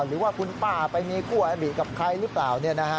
หรือว่าคุณป้าไปมีคู่อบิกับใครหรือเปล่า